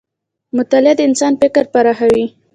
مطالعه د انسان فکر پراخوي.